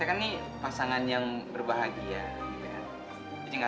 eh iya kan kita kan nih pasangan yang berbahagia gitu ya